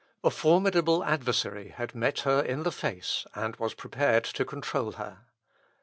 A formidable adversary had met her in the face, and was prepared to control her.